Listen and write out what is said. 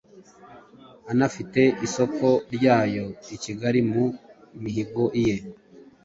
anafite isoko ryayo i Kigali. Mu mihigo ye,